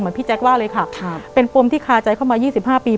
พี่แจ๊คว่าเลยค่ะเป็นปมที่คาใจเข้ามา๒๕ปี